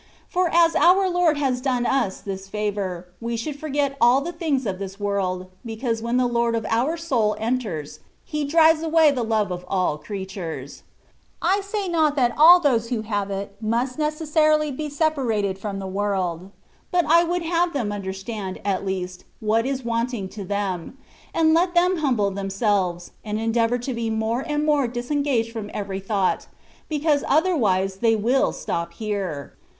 For as our Lord has done us this favour, we should forget all the things of this world, because when the Lord of our soul enters. He drives away the love of all creatures. I say not that all those who have it,* must neces sarily be separated from the world ; but I would have them understand, at least, what is wanting to them ; and let them humble themselves, and endeavour to be more and more disengaged from every thought, because otherwise they will stop here.